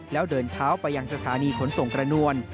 แล้วเดินเท้าไปยังสถานีขนส่งกระนวล